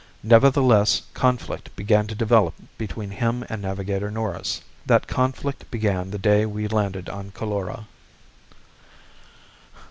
Nevertheless conflict began to develop between him and Navigator Norris. That conflict began the day we landed on Coulora.